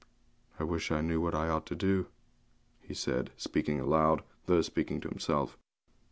'I wish I knew what I ought to do,' he said, speaking aloud, though speaking to himself.